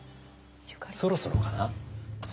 そろそろかな？